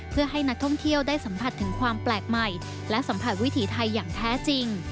เพื่อให้นักท่องเที่ยวได้สัมผัสถึงความแปลกใหม่และสัมผัสวิถีไทยอย่างแท้จริง